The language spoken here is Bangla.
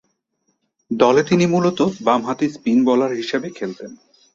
দলে তিনি মূলতঃ বামহাতি স্পিন বোলার হিসেবে খেলতেন।